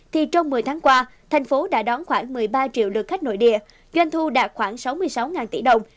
trong một mươi tháng qua tp hcm đã đón khoảng một mươi ba triệu lượt khách nội địa doanh thu đạt khoảng sáu mươi sáu tỷ đồng